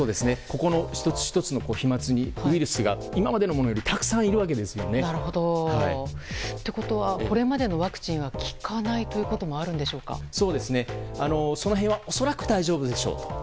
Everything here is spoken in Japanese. １つ１つの飛沫にウイルスが今までのものよりもたくさんいるわけですね。ということはこれまでのワクチンはその辺は恐らく、大丈夫でしょうと。